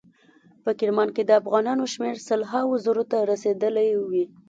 په کرمان کې د افغانانو شمیر سل هاو زرو ته رسیدلی وي.